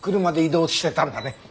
車で移動してたんだね。